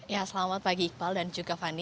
ya selamat pagi iqbal dan juga fani